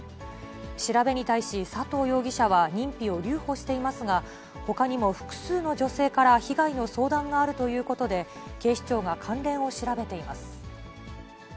調べに対し、佐藤容疑者は認否を留保していますが、ほかにも複数の女性から被害の相談があるということで、警視庁が関連を調べています。